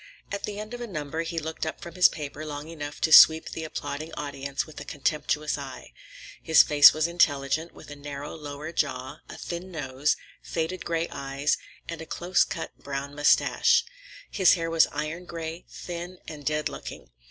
At the end of a number he looked up from his paper long enough to sweep the applauding audience with a contemptuous eye. His face was intelligent, with a narrow lower jaw, a thin nose, faded gray eyes, and a close cut brown mustache. His hair was iron gray, thin and dead looking.